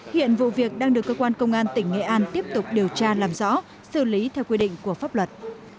hiện vụ việc đang được cơ quan công an tỉnh nghệ an tiếp tục điều tra làm rõ xử lý theo quy định của pháp luật